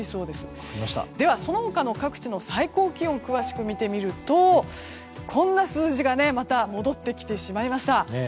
では、その他の各地の最高気温を詳しく見てみるとこんな数字がまた戻ってきてしまいました。